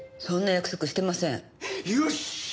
そんな約束してません。